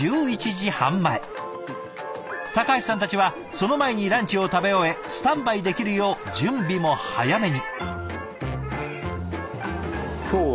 橋さんたちはその前にランチを食べ終えスタンバイできるよう準備も早めに。